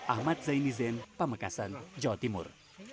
ahmad zaini zen pamekasan jawa timur